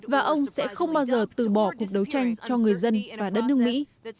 và ông sẽ không bao giờ từ bỏ cuộc đấu tranh cho người dân và đất nước mỹ